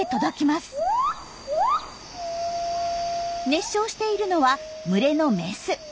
熱唱しているのは群れのメス。